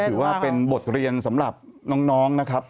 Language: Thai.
ถือว่าเป็นบทเรียนสำหรับน้องนะครับ